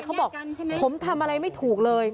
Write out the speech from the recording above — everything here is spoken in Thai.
เพื่อนบ้านเจ้าหน้าที่อำรวจกู้ภัย